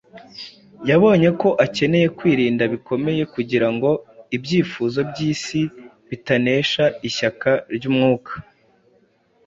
yabonye ko akeneye kwirinda bikomeye kugira ngo ibyifuzo by’isi bitanesha ishyaka ry’umwuka